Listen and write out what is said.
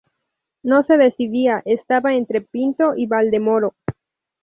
No se decidía, estaba entre Pinto y Valdemoro